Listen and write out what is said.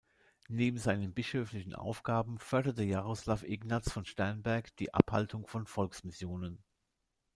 Neben seinen bischöflichen Aufgaben förderte Jaroslaw Ignaz von Sternberg die Abhaltung von Volksmissionen.